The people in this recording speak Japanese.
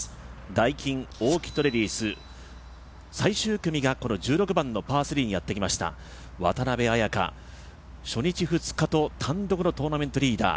ダイキンオーキッドレディス最終組がこの１６番のパー３にやってきました渡邉彩香、初日、２日と単独のトーナメントリーダー。